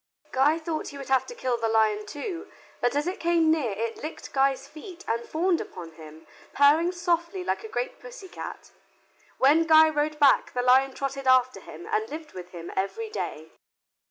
Guy thought he would have to kill the lion too, but as it came near it licked Guy's feet and fawned upon him, purring softly like a great pussy cat. When Guy rode back the lion trotted after him and lived with him every day.